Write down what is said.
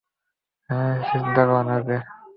হেই, চিন্তা করো না, ওকে?